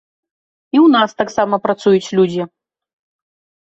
І ў нас таксама працуюць людзі.